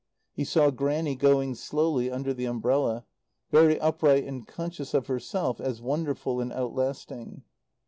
He saw Grannie, going slowly, under the umbrella, very upright and conscious of herself as wonderful and outlasting.